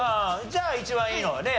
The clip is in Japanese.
じゃあ一番いいのをね